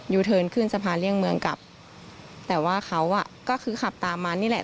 เทิร์นขึ้นสะพานเลี่ยงเมืองกลับแต่ว่าเขาอ่ะก็คือขับตามมานี่แหละ